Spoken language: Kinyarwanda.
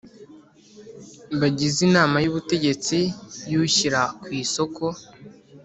Bagize inama y ubutegetsi y ushyira ku isoko